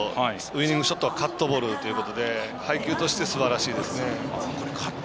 ウイニングショットはカットボールということで配球として、すばらしいですね。